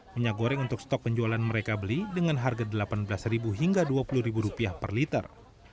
minyak goreng untuk stok penjualan mereka beli dengan harga rp delapan belas hingga rp dua puluh per liter